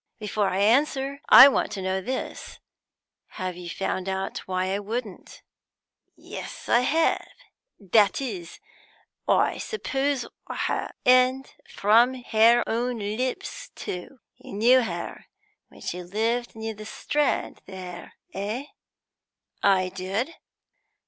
"Before I answer, I want to know this: have you found out why I wouldn't?" "Yes, I have that is, I suppose I have and from her own lips, too! You knew her when she lived near the Strand there, eh?" "I did."